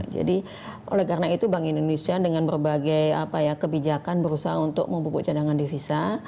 jadi oleh karena itu bank indonesia dengan berbagai kebijakan berusaha untuk membukuk cadangan devisa